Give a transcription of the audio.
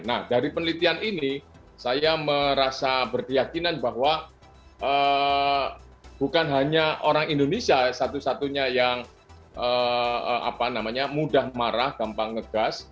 nah dari penelitian ini saya merasa berkeyakinan bahwa bukan hanya orang indonesia satu satunya yang mudah marah gampang ngegas